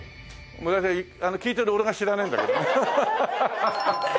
聞いてる俺が知らないんだけど。